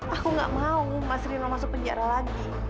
aku gak mau mas rino masuk penjara lagi